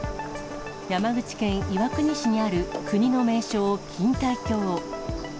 山口県岩国市にある国の名勝、錦帯橋。